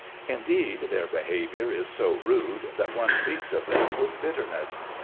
Indeed their behaviour is so rude that one speaks of them with bitterness.